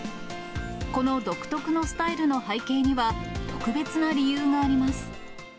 この独特のスタイルの背景には、特別な理由があります。